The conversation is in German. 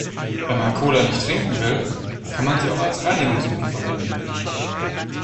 Wenn man Cola nicht trinken will, kann man sie auch als Reinigungsmittel verwenden.